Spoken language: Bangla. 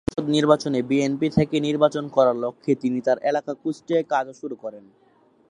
দশম জাতীয় সংসদ নির্বাচনে বিএনপি থেকে নির্বাচন করার লক্ষ্যে তিনি তার এলাকা কুষ্টিয়ায় কাজও শুরু করেন।